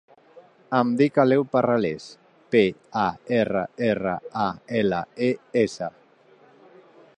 Em dic Aleu Parrales: pe, a, erra, erra, a, ela, e, essa.